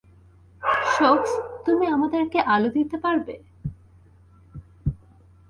সোকস, তুমি আমাদেরকে আলো দিতে পারবে?